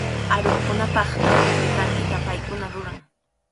Aruqkunapaq tarwi pikantita paykuna ruran.